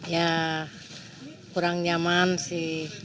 ya kurang nyaman sih